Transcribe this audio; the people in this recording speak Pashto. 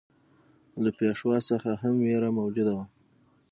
له پېشوا څخه هم وېره موجوده وه.